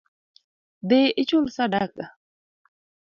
Dhii ichul sadaka